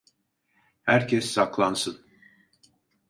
Herkes saklansın!